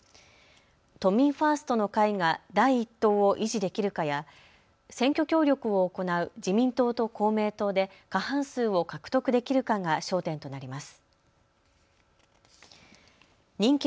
都民ファーストの会が第１党を維持できるかや選挙協力を行う自民党と公明党で過半数を獲得できるかが焦点となります。